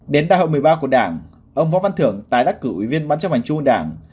đến đại hội một mươi ba của đảng ông võ văn thưởng tái đắc cử ủy viên ban chấp hành trung đảng